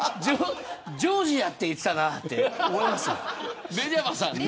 ジョージアって言ってたなって思いますよね。